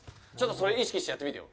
それ意識してやってみてよ。